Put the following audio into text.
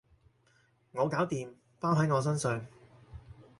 我搞掂，包喺我身上